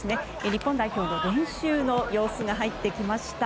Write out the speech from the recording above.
日本代表の練習の様子が入ってきました。